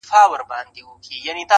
پاچاهان نه د چا وروڼه نه خپلوان دي-